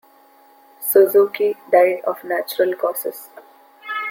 Suzuki died of natural causes.